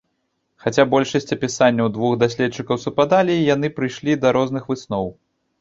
Хаця большасць апісанняў двух даследчыкаў супадалі, яны прыйшлі да розных высноў.